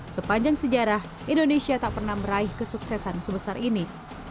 sepanjang sejarah indonesia tak pernah meraih kesuksesan sebesar ini